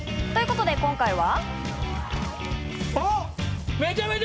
ということで、今回は。